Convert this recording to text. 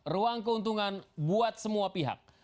ruang keuntungan buat semua pihak